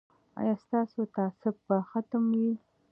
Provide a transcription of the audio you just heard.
ایا ستاسو تعصب به ختم وي؟